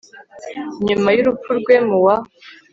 nyuma y'urupfu rwe mu wa